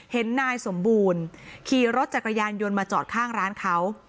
เห็นนายสมบูรณ์ขี่รถจักรยานยนต์มาจอดข้างร้านเขา